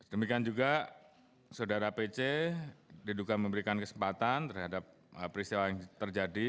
demikian juga saudara pc diduga memberikan kesempatan terhadap peristiwa yang terjadi